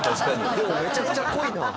でもめちゃくちゃ濃いな。